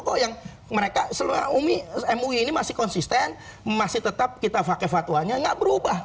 kok yang mereka selera umi mu ini masih konsisten masih tetap kita faktya fatwa nya enggak berubah